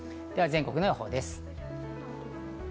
全国の予報です。